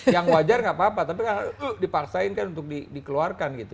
yang wajar nggak apa apa tapi dipaksain kan untuk dikeluarkan gitu